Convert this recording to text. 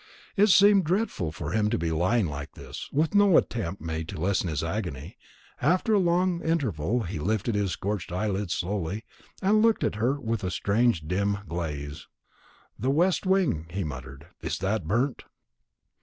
It seemed dreadful for him to be lying like this, with no attempt made to lessen his agony. After a long interval he lifted his scorched eyelids slowly, and looked at her with a strange dim gaze. "The west wing," he muttered; "is that burnt?"